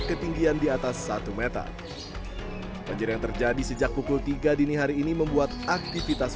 ketinggian di atas satu meter banjir yang terjadi sejak pukul tiga dini hari ini membuat aktivitas